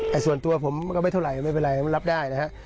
แต่ส่วนตัวผมก็ไม่เท่าไรไม่เป็นไรรับได้นะครับ